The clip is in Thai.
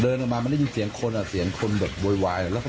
เดินกันมาไม่ได้ยินเสียงคนเหอะเสียงคนแบบบวยวายแล้วค่ะ